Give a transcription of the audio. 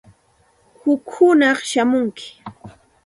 Huk hunaq shamunki.